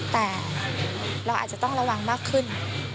แต่เราอาจจะต้องระวังมากขึ้น